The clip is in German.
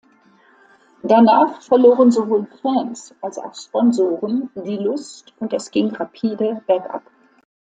Danach verloren sowohl Fans als auch Sponsoren die Lust und es ging rapide bergab.